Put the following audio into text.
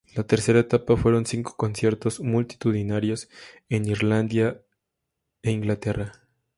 La tercera etapa fueron cinco conciertos multitudinarios en Irlanda e Inglaterra.